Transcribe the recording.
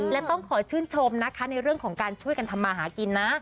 และต้องขอชื่นชมนะคะในเรื่องของการช่วยกันทำมาหากินนะ